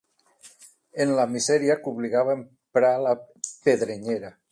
En la misèria que obligava a emprar la pedrenyera